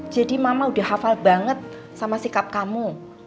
jadi mama udah hafal banget sama sikap kamu